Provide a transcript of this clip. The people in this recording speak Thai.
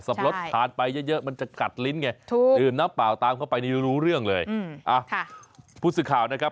สับปะรดทานไปเยอะมันจะกัดลิ้นไงดื่มน้ำเปล่าตามเข้าไปรู้เรื่องเลยอ่ะพุธศึกข่าวนะครับ